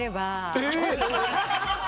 えっ！？